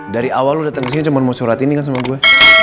dari awal lo dateng kesini cuma mau surat ini kan sama gue